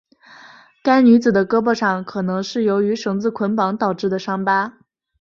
该女子的胳膊上有可能是由于绳子捆绑导致的伤疤。